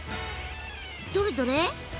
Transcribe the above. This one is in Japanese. どれどれ？